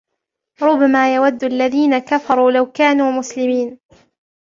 رُبَمَا يَوَدُّ الَّذِينَ كَفَرُوا لَوْ كَانُوا مُسْلِمِينَ